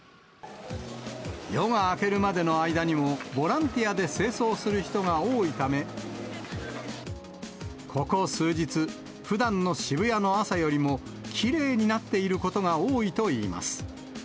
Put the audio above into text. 夜が明けるまでの間にも、ボランティアで清掃する人が多いため、ここ数日、ふだんの渋谷の朝よりもきれいになっていることが多いと言います。